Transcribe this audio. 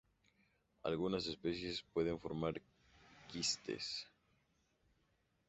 Algunas especies pueden formar quistes.